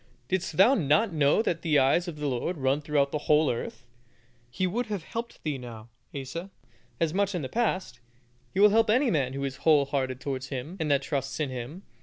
Didst thou not know that the eyes of the Lord run throughout the whole earth?" He would have helped thee now, Asa, as much as in the past. He will help any man who is whole hearted towards Him that trusts in Him.